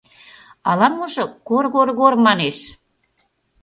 — Ала-можо кор-гор-гор манеш...